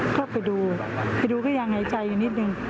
ก็ไปดูไปดูก็ยังหายใจอยู่นิดนึง